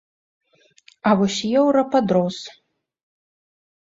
А вось еўра падрос.